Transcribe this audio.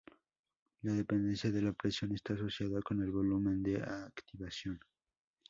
La dependencia de la presión está asociada con el volumen de activación.